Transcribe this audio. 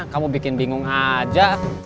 kamu bikin bingung aja